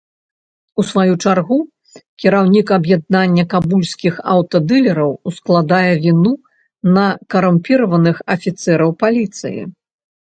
У сваю чаргу, кіраўнік аб'яднання кабульскіх аўтадылераў ускладае віну на карумпіраваных афіцэраў паліцыі.